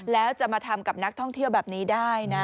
แล้วจะมาทำกับนักท่องเที่ยวแบบนี้ได้นะ